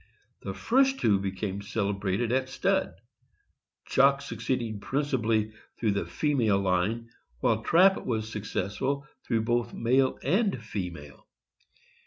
The first two became celebrated at stud, Jock succeeding principally through the female line, while Trap was successful through both male and female.